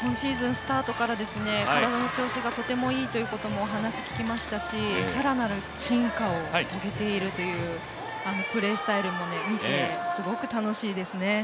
今シーズンスタートから体の調子がとてもいいということもお話聞きましたし更なる進化を遂げているというプレースタイルも見て、すごく楽しいですね。